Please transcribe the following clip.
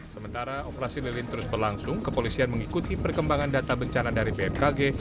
sementara operasi lilin terus berlangsung kepolisian mengikuti perkembangan data bencana dari bmkg